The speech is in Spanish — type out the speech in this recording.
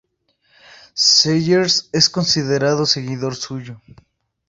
Seghers es considerado seguidor suyo.